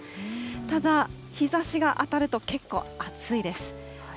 ただ、日ざしが当たると結構、暑いです。